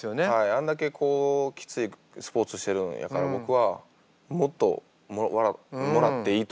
あんだけこうきついスポーツしてるんやから僕はもっともらっていいと思ってるんでこうね